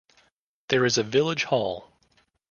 There is a village hall.